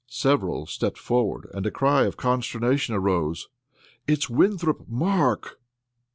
Several stepped forward, and a cry of consternation arose: "_It's Winthrop Mark!